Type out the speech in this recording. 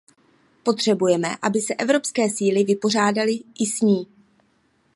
Potřebujeme, aby se evropské síly vypořádaly i s ní.